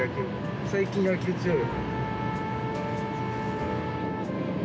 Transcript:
最近、野球強いよ。